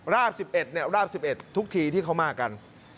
ราบสิบเอ็ดเนี่ยราบสิบเอ็ดทุกทีที่เข้ามากัน